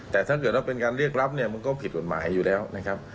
แต่ถ้าเกิดว่าเป็นการเรียกรับเนี่ยมันก็ผิดกฎหมายอยู่แล้วนะครับ